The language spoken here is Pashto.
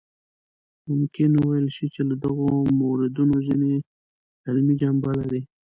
ممکن وویل شي چې له دغو موردونو ځینې علمي جنبه لري.